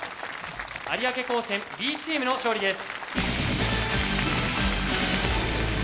有明高専Ｂチームの勝利です。